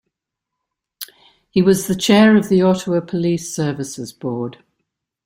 He was the chair of the Ottawa Police Services Board.